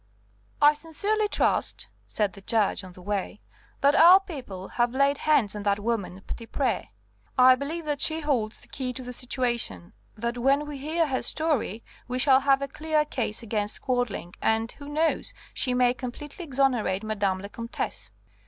"I sincerely trust," said the Judge on the way, "that our people have laid hands on that woman Petitpré. I believe that she holds the key to the situation, that when we hear her story we shall have a clear case against Quadling; and who knows? she may completely exonerate Madame la Comtesse."